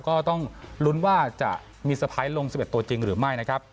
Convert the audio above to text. ก็ต้องลุ้นว่าจะมีสะพ้ายลง๑๑ตัวจริงหรือไม่นะครับ